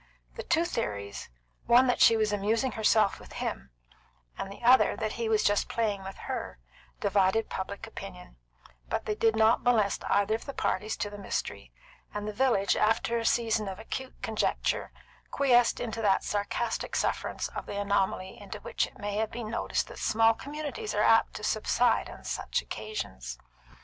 The two theories, one that she was amusing herself with him, and the other that he was just playing with her, divided public opinion, but they did not molest either of the parties to the mystery; and the village, after a season of acute conjecture, quiesced into that sarcastic sufferance of the anomaly into which it may have been noticed that small communities are apt to subside from such occasions.